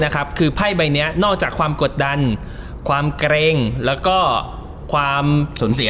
คือไพ่ใบนี้นอกจากความกดดันความเกร็งแล้วก็ความสูญเสีย